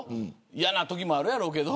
嫌なときもあると思うけど。